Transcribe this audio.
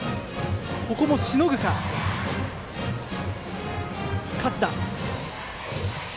ここもしのぐか、勝田。